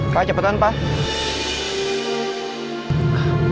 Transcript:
pak cepetan pak